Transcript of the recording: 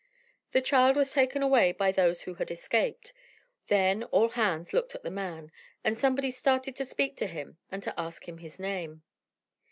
The child was taken away by those who had escaped. Then all hands looked at the man, and somebody started to speak to him, and to ask him his name.